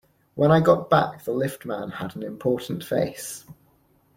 When I got back the lift-man had an important face.